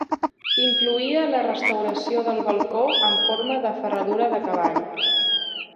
Incloïa la restauració del balcó amb forma de ferradura de cavall.